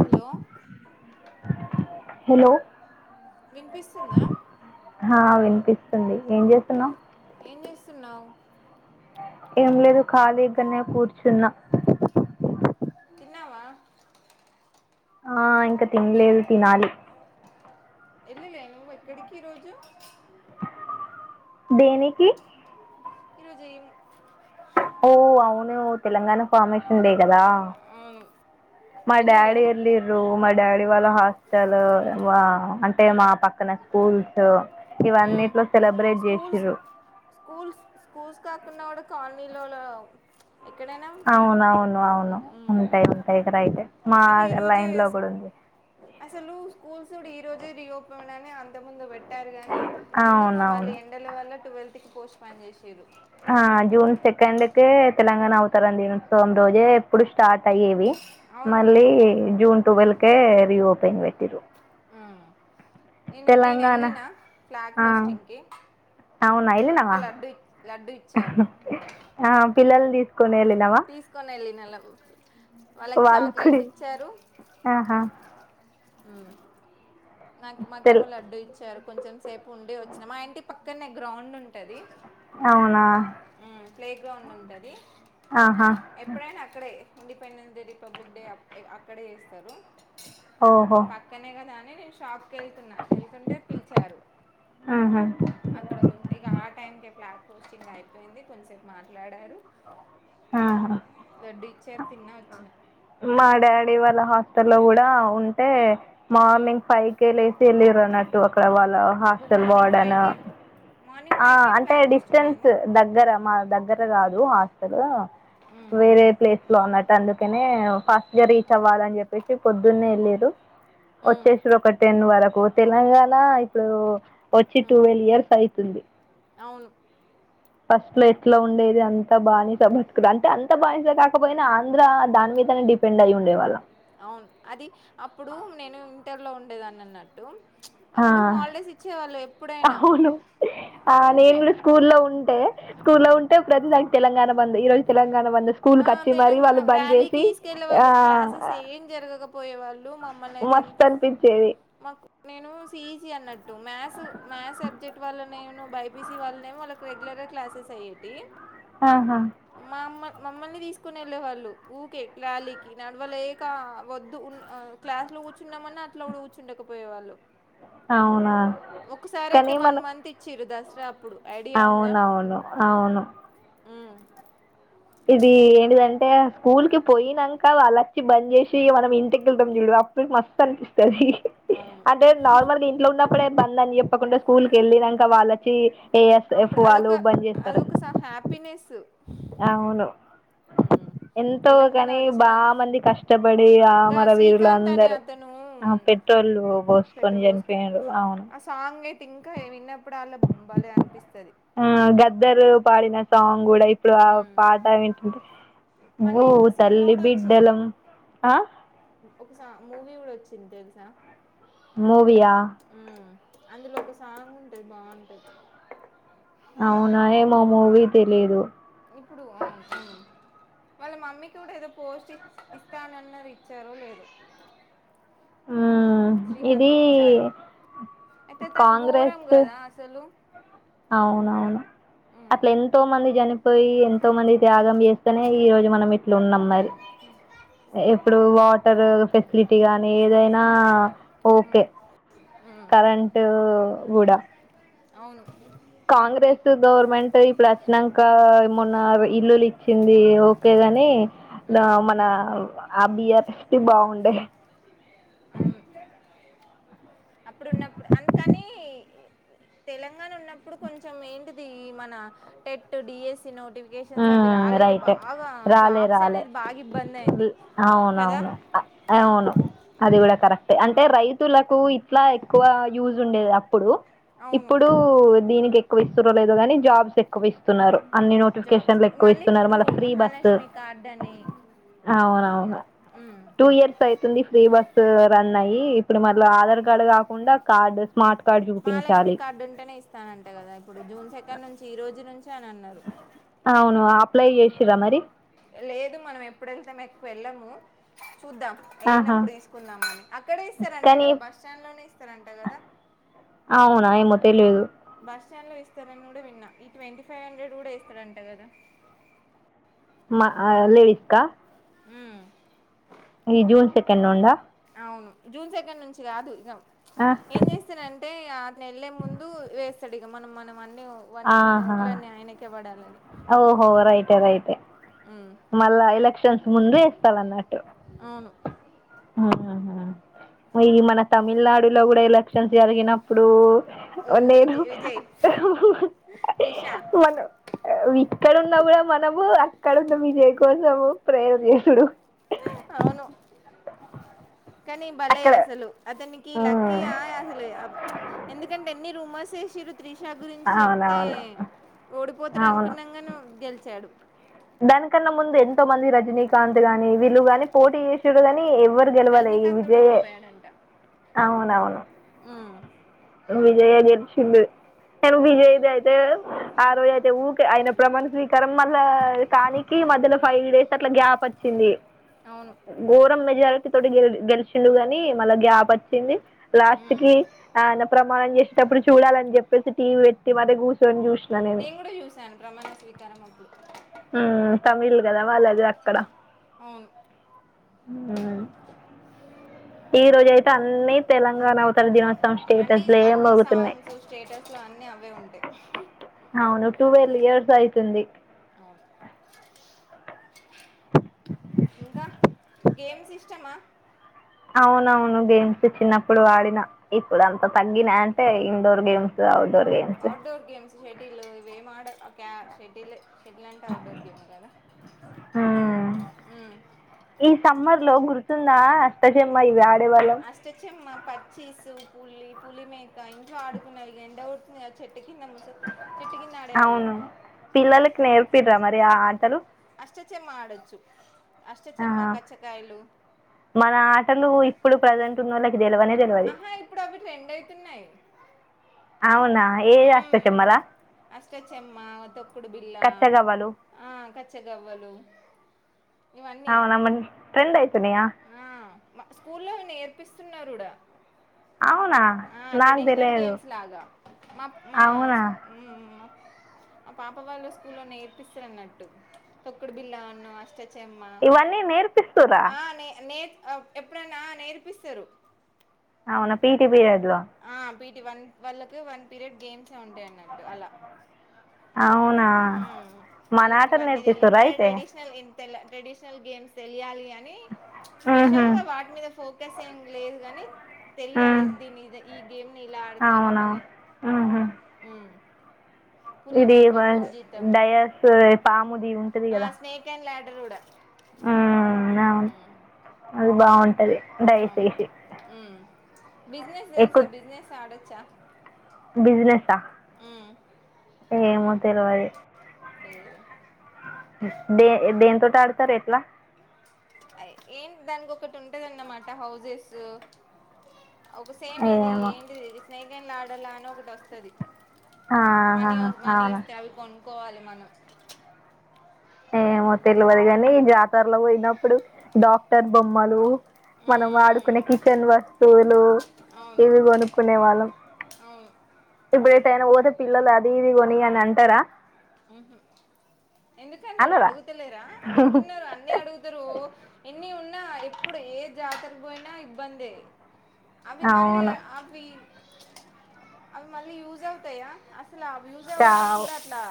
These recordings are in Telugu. హలో హలో వినిపిస్తుందా హా వినిపిస్తుంది ఏం చేస్తున్నావు? స్తున్నావు ఏం లేదు ఖాళీగనే కూర్చున్న. తిన్నావా ఆ ఇంకా తిన్లేదు తినాలి ఎల్లలే నువ్వు ఎక్కడికి ఈ రోజు? దేనికి ఈరోజేమ్ ఓ అవునేమో తెలంగాణ ఫార్మేషన్ డే కదా? అవును మా వెళ్ళలే డాడీ ఎల్లిర్రు, మా డాడి వాళ్ల హాస్ట [unintelligible] వా. అంటే మా పక్కన స్కూల్స్ ఉమ్ ఇవన్నిట్లో సెలబ్రేట్ స్కూల్స్ చేసిర్రు. కున్నోడు కాల్నీలోలో అవునవును అవును ఉమ్ ఉంటాయి, ఉంటాయి ఇక్కడైతే. మళ్ళీ ఈ రోజె అసలు స్కూల్స్. ఈ రోజే రిఓపెన్ అని అంతకుముందు పెట్టారు గాని, ఎందుకో మళ్ళీ అవునవును ఎండల వల్ల టూవేల్. కి పోస్ట్ ఫోన్ చేసిర్రు హ జూన్ సెకండ్ కే తెలంగాణ అవతరణ దినోత్సవం, రోజే ఎప్పుడు స్టార్ట్ అయ్యేవి. అవును మళ్ళీ జూన్ టువెల్వకే రీఓపెన్ పెట్టిర్రు. ఉమ్ నేను నేను తెలంగాణ వెళ్ళిన ఫ్లాగ్ హోస్టింగ్ కి. అవునా వెళ్లినవా? ఇచ్చారు ఆ పిల్లల్ని తీసుకుని వెళ్ళి. తీసుకొనేళ్ళిన [unintelligible] వాళ్ళకి వాళ్ళు కూడా చాక్లెట్స్ ఇచ్చారు. ఆహా మ్మ్ నాకు తెల్ మాకేమో లడ్డు ఇచ్చారు. కొంచెం సేపు ఉండి వచ్చిన మాఇంటి పక్కనే గ్రౌండ్ ఉంటది. అవునా ప్లే గ్రౌండ్ ఉంటది ఆహా ఎప్పుడైనా అక్కడే. ఇండిపెండెన్స్ డే, రిపబ్లిక్ డే అక్ [unintelligible] అక్కడే చేస్తారు ఈ ఓహో పక్కనే కదా! షాప్కేళ్తున్న వెళ్తుంటే పిలిచారు ఆహా. అక్కడ కొంచ్ ఇగ ఆ టైంకే ప్లాట్ హొస్టింగ్ అయిపోయింది కొంసేపు మాట్లాడారు. ఆహా. [unintelligible] చేర్ తిన్నా వచ్చిన మా డాడీ వాళ్ళ హాస్టల్ల్లో కూడా ఉంటే. ఉమ్ మార్నింగ్ ఫైవ్ కే లేసి వెళ్ళిర్రు అన్నట్టు అక్కడ వాళ్ళ అబ్బో హాస్టల్ మార్నింగ్ వార్డను. ఫైవ్కే మార్నింగ్ ఆ ఫైవ్కే అంటే ఫ్లాగ్ హోస్టింగ్ డిస్టెన్స్ అయిందా దగ్గర మా దగ్ గ్గర కాదు హాస్టలు ఉమ్ వేరే ప్లేస్ లో అన్నట్టు అందుకనే నే ఫాస్ట్ గా రీచ్ అవ్వాలని చెప్పేసి పొద్దున్నే ఎల్లిర్రు. ఉమ్ వచ్చేస్తది ఒక టెన్ వరకు తెలంగాణ ఇప్పుడు వచ్చి ఉమ్ టువల్ ఇయర్స్ అయితుంది అవును. ఫస్ట్లో ఎట్ల ఉండేది అంతా బానిస బతుకులు అంటే అంతా అంతా బానిసా కాకపోయినా ఆంధ్ర దాని మీద డిపెండయ్యి ఉండే వాళ్ళం అవును అది అప్పుడు నేను ఇంటర్లో ఉండేదని అన్నట్టు ఆ అప్పుడు హాలిడేస్ ఇచ్చేవాళ్ళు ఎప్పుడైనా అవును ఆ నేను ఊకే కూడా స్కూల్లో ఉంటే స్కూల్లో ఉంటే ప్రతి దానిక్ తెలంగాణ బంద్ ఈ రోజు తెలంగాణ బంద్ స్కూల్ ఆ కచ్చి మరీ తెలంగాణ వాళ్ళు బంద్ ర్యాలీకి చేసి ఆ పోయేవాళ్ళు మస్త్ అనిపిచ్చేది మాకు నేను సిఈసీ అన్నట్టు మ్యాస్ మ్యాస్ సబ్జెక్ట్ వాళ్లను నేను బైపీసీ వాళ్ళనేమొ వా రెగ్లర్ గా క్లాసెస్ అయ్యేటియి ఆహా మమ్మల్ని తీసుకొని వెళ్ళే వాళ్ళు ఊకే లాలీకి నడవలేక వద్దు ఉండ్ క్లాస్ కూర్చున్నామన్నా అట్లా కూడా కూర్చుండకపోయే వాళ్ళు అవునా ఒకసారి అయితే కానీ వన్ మన మంత్ ఇచ్చిర్రు దసరా అప్పుడు ఐడియా ఉందా అవునవును అవును ఉమ్ ఇది ఏంటిదంటే స్కూల్ కి పోయినాంక వాళ్ళొచ్చి బంద్ చేసి మనం ఇంటికి వెళ్తాం చూడు అప్పుకి మస్త్ అనిపిస్తుంది అవును అంటే నార్మల్గా ఇంట్లో ఉన్నప్పుడే బంద్ అన్ని చెప్పకుండా స్కూల్ కి వెళ్ళినాంక వాళ్ళొచ్చి ఏఎస్ఎఫ్ అప్పుడు అదొక వాళ్ళు బంద్ చేస్తారు అదొక స హ్యాపీనెస్ అవును ఉమ్ ఎంతో తెలంగాణ కాని వచ్చిన బా మంది కష్టపడి గా అమర వీరులు శ్రీకాంత్ అనే అందరూ అతను ఆ పె ట్టోళ్ళు పోసుకొని పెట్రోల్ పోసుకున్నాం చనిపోయిండ్రు అవును ఆ సాంగ్ అయితే ఇంకా విన్నప్పుడు అలా బలే అనిపిస్తది నేన్గూడా ఇప్పుడు ఆ పాట వింటుంటే మళ్ళీ ఇంకో సినిమా భూతల్లి కూడా వచ్చింది బిడ్డలం ఆ ఒక మూవీ కూడా వచ్చింది తెల్సా? మూవీ యా అందులో ఒక సాంగ్ ఉంటది బాగుంటది. అవునా నేమొ మూవీ తెలీదు ఇప్పుడు ఆ ఉమ్ వాళ్ళ మమ్మీ కూడా ఏదో పోస్ట్ ఇస్ ఇస్తానన్నారు ఇచ్చారో లేదో మ్మ్ శ్రీకాంత్ ఇది చారి అయితే తను గోరం కాంగ్రెస్ కదా అసలు అవునవును ఉమ్ అట్లా ఎంతో మంది జని పోయి ఎంతో మంది త్యాగం చేస్తేనే ఈ రోజు మనం ఇట్లా ఉన్నాం మరి అ ఇప్పుడు వాటర్ ఫెసిలిటీ గానీ ఏదైనా ఉమ్ ఓకే ఉమ్ కరెంట్ గూడా అవును అయి కాంగ్రెస్ గవర్నమెంట్ ఇప్పుడు అచ్చినాంక మొన్న ఇల్లులు ఇచ్చింది ఓకే కాని ఉమ్ మన ఆ బీఆర్ రెస్పి బాగుండే అవును. అప్పుడు ఉన్నప్పుడు అందుకని తెలంగాణ ఉన్నప్పుడు కొంచెం ఏంటిది మన టెట్ డిఎస్ నోటిఫికేషన్స్ అవి రాలేదు రైటే బాగా రాలే జాబ్స్ రాలే అనేది బాగా ఇబ్బంది అయింది కదా ఆ అవును అది కుడా కరెక్ అంటే రైతులకు ఇట్లా ఎక్కువ యూజ్ ఉండేది అప్పుడు అవును ఇప్పుడు దీనికి ఎక్కువ ఇస్తుార్రో లేదో గాని జాబ్స్ ఎక్కువ ఇస్తున్నారు అన్ని నోటిఫ్ జాబ్స్ మళ్ళీ ఇప్పుడు మహాలక్ష్మి కార్డ్ అని అవునవును ఉమ్, టూ ఇయర్స్ అయితుంది ఫ్రీ బస్ రన్ అయిి ఇప్పుడు మల్ల ఆధార్ కార్డు కాకుండా కార్డు స్మార్ట్ కార్డు మహాలక్ష్మి చూపించాలి కార్డు ఉంటేనే ఇస్తానంట కదా ఇప్పుడు జూన్ సెకండ్ నుంచి ఈ రోజు నుంచి అని అన్నారు అవును అప్లై చేసిరా మరి లేదు మనం ఎప్పుడేళ్తేాం ఎక్కువ వెళ్ళాము చూద్దాం ఆహా వెళ్ళినప్పుడు తీసుకుందాంమని అక్కడే ఇస్తారంట కానీ కదా బస్ స్టాండ్ లోనే ఇస్తారంట కదా అవునా ఏమో తెలియదు బస్టాండ్ లో ఇస్తారని కూడా విన్నా ఈ ట్వంటీ ఫైవ్ హండ్రెడ్ కూడా ఎస్తారంట కదా మా లీవిక్క మ్ ఈ జూన్ సెకెండ్ నుండ అవును జూన్ సెకండ్ నుంచి కాదు ఇగ ఆ ఏం చేస్తాడంటే అరు నేళ్ళ ముందు వేస్తాడు ఇగ మనం మనం అన్నీ వన్ మన ఆహా ఓట్లన్నీ ఆయనకే పడాలని ఓహో రైటే రైటే ఉమ్ మళ్ళా ఎలక్షన్స్ ముందు వేస్తాలన్నట్టు అవును అహ ఈ మన తమిళనాడులో కూడా ఎలక్షన్స్ జరిగినప్పుడు ఓ నిను విజయ్ విజయ్ త్రిష మనం ఇక్కడున్నా కూడా మనము అక్కడ ఉన్న విజయ్ కోసము ప్రేర్ చేసుడు అవును కానీ భలే అక్కడ అసలు అతనికి ఆ, లక్కీ ఆ అసలు ఆ ఎందుకంటే ఎన్ని రూమర్స్ ేషలు త్రిషా గురించి చెప్తే అవునవును అవును ఓడిపోతరనుకున్నం గని గెలీచ్ చడు దానికన్నా ముందు ఎంతో మంది రజనీకాంత్ గాని వీళ్ళు గాని పోటీ చేసిరు కానీ నీ ఎవరు గెలువలే ఈ రజనీకాంత్ కూడా విజయే ఓడిపోయాడంట అవునవును విజయే గెలిసిండు నేను విజయ్ది అయితే ఆ రోజు అయితే ఊకే ఆయన ప్రమాణ స్వీకారం మళ్ళా ఈ మధ్యలో ఫైవ్ డేస్ అట్లా గ్యాప్ వచ్చింది అవును ఘోరం మెజారిటీ తోటి గెలి గెలిచిడు కాని మళ్ళా గ్యాప్ వచ్చింది లాస్ట్ కి ఆయన ప్రమాణం చేసేటప్పుడు చూడాలని చెప్పేసి టీవీ పెట్టి మరి కూర్చొని చూస్ నేను కూడా చూశాను ప్రమాణ స్వీకారం అప్పుడు మ్ తమిల్ కదా వాళ్ళది అక్కడ అవును మ్ ఈ రోజాయి అన్నిీ తెలంగాణ అవతర దినోత్సవం అన్ని స్టేటస్లే అన్ని మోగుతున్నాయి సాంగ్స్ స్టేటస్లు అన్నీ అవే ఉంటాయి అవును ట్వెల్వ్ ఇయర్స్ అయితుంది అవును ఇంకా గేమ్స్ ఇష్టమా అవునవును గేమ్స్ చిన్నప్పుడు ఆడిన ఇప్పుడు అంత తగ్గినయంటే indoor games outdoor games outdoor games shuttle ఇవేమాడ అ క్య షెటిలే షటిల్ అంటే అవుట్డోర్ గేమ్ కా ఉ మ్మ్. ఉ లో గుర్తుంద అష్టచమ్మ ఇవి ఆడేవాళ్ళం అష్టచమ్మ పచ్చీసు పుల్లి పులి మేక ఇంట్లో ఆడుకున్నవి ఎండ కొడుతుంది చెట్ అవును పిల్లలకు నేర్పిడ్రా మరి ఆ ఆటలు అష్టచమ్మ ఆడచ్చు ఆ మన ఆటలు ఇప్పుడు ప్రజెంట్ ఉన్నోళ్ళ ఇప్పుడు ఆహా ఇప్పుడు అవి ట్రెండ్ అయితున్నాయి అవునా ఏది అష్టచమ్మల అష్ట చెమ్మ తొక్కుడు బిల్ల కచ్చగవ్వలు ఆ కచ్చగవ్వలు ఇవన్నీ అవున మరి ట్రెండ్ అయితున్నాయా ప్పిస్తున్నారుడా ఆ నాకు ట్రెడిషనల్ తెలియదు గేమ్స్ లాగా మా మా అవునా ఉ ఉ మ ఆ పాప వాళ్ళు స్కూల్లో నేర్పిస్తారు అన్నట్టు తొక్కుడు బిల్లా అన్న అష్ట ఇవన్నీ నేర్పిస్తుర్ర నే నే ఎప్పుడన్నా నేర్పిస్తరు అవునా పీఈటీ పిరియడ్లో వీటి వన్ వాళ్ళకి వన్ పీరియడ్ గేమ్స్యే ఉంటాయన్నట్టు అలా అవున ఉ వాళ్ళకి ఇవన్నీ తెలియ మన అయితే ట్రెడిషనల్ ఇన్ తె ట్రెడిషనల్ గేమ్స్ తెలియాలి అని మ్మ్హ. స్పెషల్ గా వాటి మీద ఫోకస్ ఏం లేదు గని తెలియాలి మ్మ్. దీనిది ఈ గేమ్ ని ఇలా ఆడతారు అవునా అని మ్మ్హ. ఉ ఇది వ డయాస్ పాముది ఉంటది కదా రకుడ ఉ అవును అది బాగుంటది అవును ఉ బిజినెస్ తెల్సా బిజినెస్ అడచ్చా బిజినెసా ఏమో తెలువదు అయ్యయో దే దెంతోటి ఆడతారు ఎట్లా అ ఏంటి దానికి ఒకటి ఉంటందన్నమాట హౌజెస్ ఒక సేమ్ ఇది ఏమో ఏంటిది ఇది స్నేక్ అన్డ్ లాడలా అని ఒకటి వస్తది ఆహహ అవును కోవాలి మనం ఏమో తెలివది గాని జాతరలో పోయినప్పుడు డాక్టర్ బొమ్మలు మనం మ్మ్ ఆడుకునే కిచెన్ వస్తువులు అవును ఇవి కొనుక్కునే వాళ్ళం అవును ఇప్పుడైతే అయినా పోతే పిల్లలు అది ఇది కొని అని అంటారా ఉహు ఎందుకన్నారు అనరా అడుగుతలేరా అడుగుతున్నారు అన్నీ అడుగుతరు ఎన్ని ఉన్ ఎప్పుడు ఏ జాతరకు పోయినా ఇబ్బందే అవి మళ్ళీ అవును అవి అవి మళ్ళీ యూజ్ అవుతాయా అసలు యూజ్ చా అవ్వడానికి కూడా అట్లా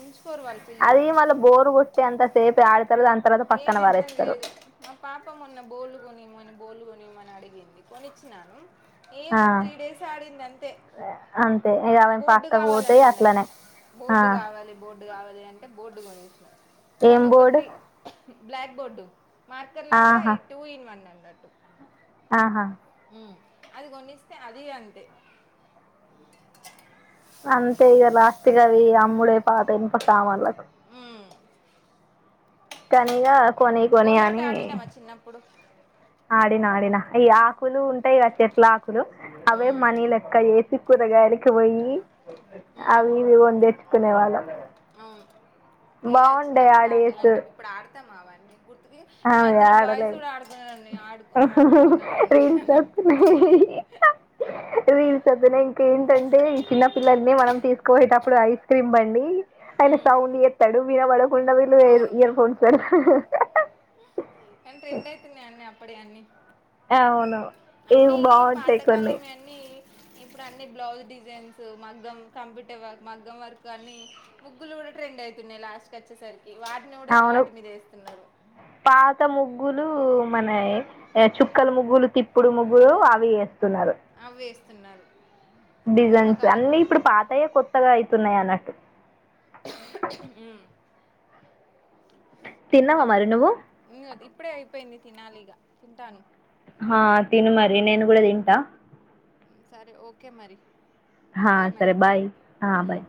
ఉంచుకోరు వాళ్ళు అది పిల్లలు వల్ బోరు కొట్టే అంత సేపు యడ ఏమి ద్ధం లేదు మా పాప మొన్న బోలుకొనిమని బోల్లుగొనిమని అడిగింది కొనిచ్చినాను ఏ ఆ, ఒక త్రీ డేస్ ఆడింది అంతే అంతే ఇక అవన్న బోర్డు పక్కకు కావాలని పోతాయి అట్లనే ఆ బోడు కావాలి అంటే బోర్డు కొనేసినా ఏం దాన్ని ఒక board three black board marker లాగా ఈ ఆహా టూ ఇన్ వన్ అన్నట్టు ఆహా అది కొనిస్తే అదీ అంతే అంతే ఇక లాస్ట్కవి అమ్ముడే పాత ఇన్ప సామాన్లకు ఉమ్, కనీగా బోల్లాట ఆడినావా చిన్నప్పుడు ఆడినా ఆడినా ఈ ఆకులు ఉంటాయి కదా చెట్ల ఆకులు అవే ఉమ్, మనీ లెక్క జేసి కూరగాయకి పోయి ఉమ్. అవి ఇవి వండి తెేచ్చుకునే వాళ్ళం అవును ఏ బాగుండే చిన్నప్పుడు ఆటలు అంటే ఇప్పుడు ఆడతామా అవన్నీ గుర్తుకి అ ఈ అవి మధ్యలో బాయ్స్ అడలేం కూడా ఆడుతున్నారండి ఆడుకు ఆడుకుంటున్నట్టున్నారు కదా రీల్సొస్తున్నాయ్ రీల్స్ అదనే ఇంకేంటంటే ఈ చిన్న పిల్లల్ని మనం తీసుకుపోయేటప్పుడు ఐస్ క్రీమ్ బండి ఆయన ఉమ్, సౌండ్ జేత్తాడు విన పడకుండా వీళ్ళు అవును ఇయర్ ఫోన్స్ పెడతారు కానీ ట్రెండ్ అయితున్నాయ్ అన్నీ అప్పుడియన్ని అవును ఇవి బావుంటాయి కొన్ని ఇప్పుదు అన్ని బ్లౌజ్ డిజైన్స్ మగ్గం కంప్యూటర్ వర్క్ మగ్గం వర్క్ అన్ని ముగ్గులు కూడా ట్రెండ్ అయ్ తున్నాయి లాస్ట్ కచ్చేసరికి వాటిని కూడా అవును వాటి మీద వేస్తున్నారు పాత ముగ్గులు మనయ్ చుక్కల ముగ్గులు తిప్పుడు ముగ్గులు అవి ఏస్తున్నారు స్తున్నారు డిజైన్స్ అన్ని ఇప్పుడు పాతయే కొత్తగా అయితున్నాయి అన్నట్టు మ్ తిన్నవా మరి నువ్వు ప్పయింది తినాలిగా తింటాను హా తిను మరి నేను గూడా తింటా మ్ సరే ఓకే మరి హా సరే బాయ్ ఆ బాయ్